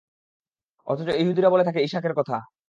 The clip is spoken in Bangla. অথচ ইহুদীরা বলে থাকে ইসহাকের কথা।